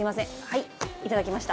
はい、いただきました。